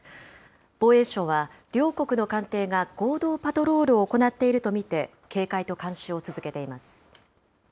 防衛省は、両国の艦艇が合同パトロールを行っていると見て、警戒と監視を続けています。